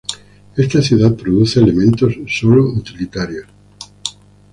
Esta ciudad produce elementos sólo utilitarias.